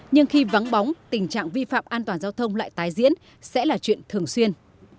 nhưng khi vắng bóng tình trạng vi phạm an toàn giao thông lại tái diễn sẽ là chuyện thường xuyên